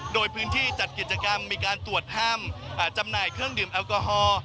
โดยพื้นที่จัดกิจกรรมมีการตรวจห้ามจำหน่ายเครื่องดื่มแอลกอฮอล์